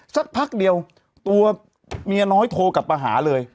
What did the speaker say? สักพักเดียวตัวเมียน้อยโทรกลับมาหาเลย